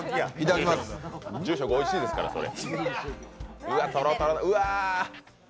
住職、おいしいですから、これ。